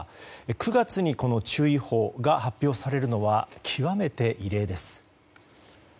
９月にこの注意報が発表されるのは極めて異例です。